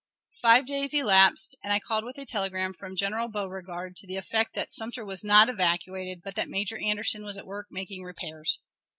Five days elapsed, and I called with a telegram from General Beauregard, to the effect that Sumter was not evacuated, but that Major Anderson was at work making repairs.